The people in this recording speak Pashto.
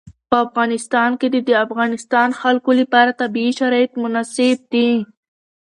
په افغانستان کې د د افغانستان خلکو لپاره طبیعي شرایط مناسب دي.